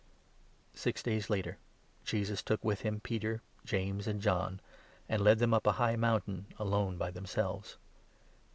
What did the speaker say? The Six days later, Jesus took with him Peter, 2 Tran««eura James, and John, and led them up a high moun tion. tarn alone by themselves.